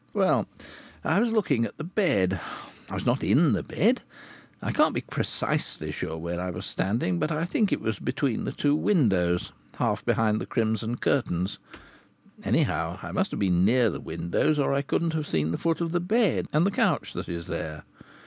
Well, I was looking at the bed. I was not in the bed. I can't be precisely sure where I was standing, but I think it was between the two windows, half behind the crimson curtains. Anyhow, I must have been near the windows, or I couldn't have seen the foot of the bed and the couch that is there.